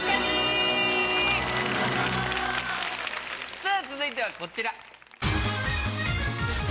さぁ続いてはこちら。